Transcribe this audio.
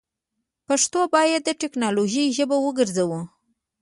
پښتو باید دټیکنالوژۍ ژبه وګرځوو.